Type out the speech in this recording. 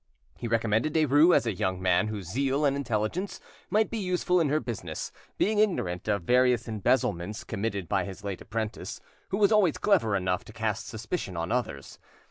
He recommended Derues as a young man whose zeal and intelligence might be useful in her business, being ignorant of various embezzlements committed by his late apprentice, who was always clever enough to cast suspicion on others.